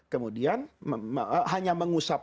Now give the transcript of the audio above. kemudian hanya mengusap